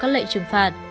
lệ trừng phạt